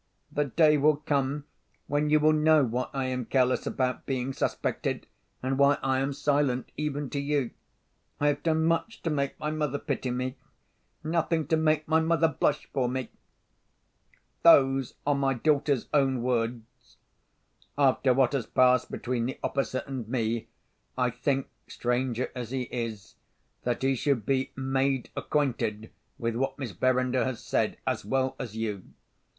'The day will come when you will know why I am careless about being suspected, and why I am silent even to you. I have done much to make my mother pity me—nothing to make my mother blush for me.' Those are my daughter's own words. "After what has passed between the officer and me, I think—stranger as he is—that he should be made acquainted with what Miss Verinder has said, as well as you.